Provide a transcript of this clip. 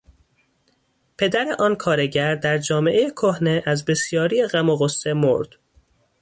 پدر آن کارگر در جامعهٔ کهنه از بسیاری غم و غصه مرد.